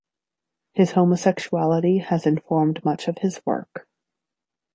His homosexuality has informed much of his work.